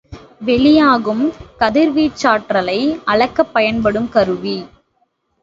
வெளியாகும் கதிர்வீச்சாற்றலை அளக்கப் பயன்படும் கருவி.